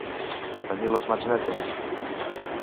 Tenir les mans netes.